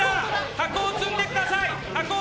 箱を積んでください！